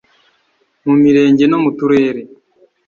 mu mirenge no mu turere